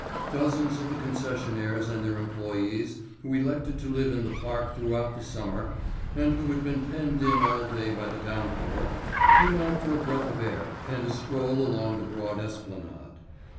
Dozens of the concessionaires and their employees who elected to live in the park throughout the summer and who had been penned in all day by the downpour came out for a breath of air and a stroll along the broad esplanade.